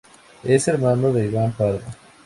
Es hermano de Iván Pardo.